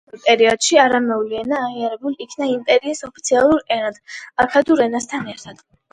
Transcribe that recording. ამავე პერიოდში არამეული ენა აღიარებულ იქნა იმპერიის ოფიციალურ ენად, აქადურ ენასთან ერთად.